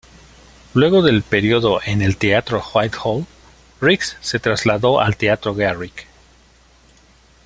Luego del período en el Teatro Whitehall, Rix se trasladó al Teatro Garrick.